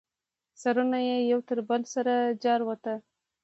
سرونه یې یو تر بله سره جارواته.